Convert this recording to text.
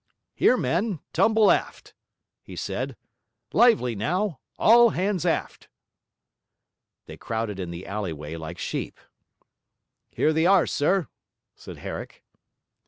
'Here, men! tumble aft!' he said. 'Lively now! All hands aft!' They crowded in the alleyway like sheep. 'Here they are, sir,' said Herrick.